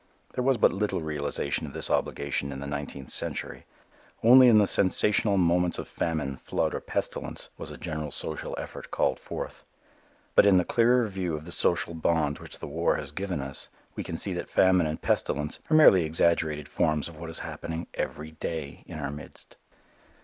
There was but little realization of this obligation in the nineteenth century. Only in the sensational moments of famine, flood or pestilence was a general social effort called forth. But in the clearer view of the social bond which the war has given us we can see that famine and pestilence are merely exaggerated forms of what is happening every day in our midst.